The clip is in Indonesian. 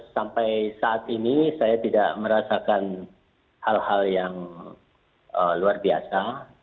sampai saat ini saya tidak merasakan hal hal yang luar biasa